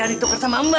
jangan ditukar sama mbak